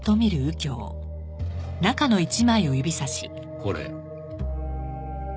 これ。